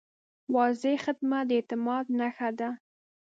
واضح خدمت د اعتماد نښه ده.